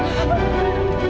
saya berp servasi